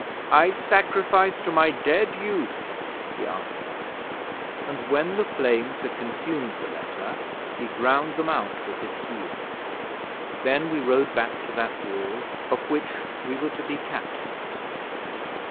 '"I sacrifice to my dead youth," he answered, and, when the flames had consumed the letter, he ground them out with his heel. Then we rode back to that Wall of which we were to be Captains.'